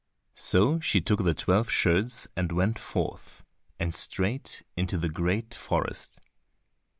So she took the twelve shirts and went forth, and straight into the great forest.